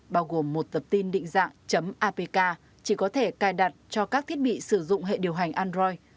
bao gồm một tập tin định dạng apk chỉ có thể cài đặt cho các thiết bị sử dụng hệ điều hành android